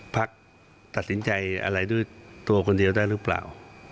พักตัดสินใจอะไรด้วยตัวคนเดียวได้หรือเปล่า